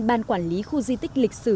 ban quản lý khu di tích lịch sử